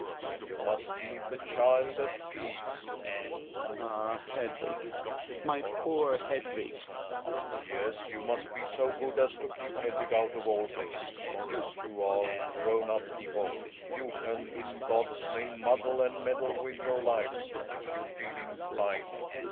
And you must leave the child at peace. Hjalmab. Ah ! Hedvig ! My poor Hedvig ! Relling. Yes, you must be so good as to keep Hedvig out of all this. You two are grown up people; you can, in God's name muddle and meddle with your lives, if you feel inclined.